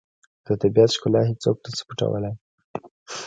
د طبیعت ښکلا هیڅوک نه شي پټولی.